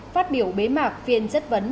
phát biểu bế mạc phiên chất vấn